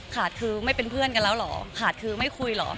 ค่ะคือไม่เป็นเพื่อนกันแล้วเหรอขาดคือไม่คุยเหรอ